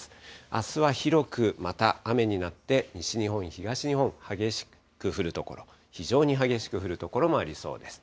あすは広くまた雨になって、西日本、東日本、激しく降る所、非常に激しく降る所もありそうです。